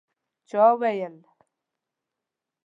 چا ویل